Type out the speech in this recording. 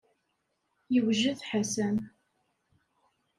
Yewjed Ḥasan.